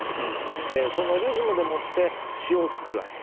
そのリズムでもって詩を作る訳。